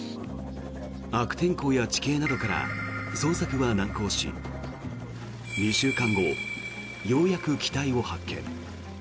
悪天候や地形などから捜索は難航し２週間後、ようやく機体を発見。